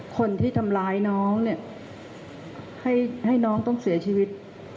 คนที่ทำร้ายน้องเนี่ยให้น้องต้องเสียชีวิต